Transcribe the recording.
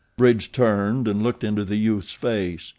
Bridge turned and looked into the youth's face.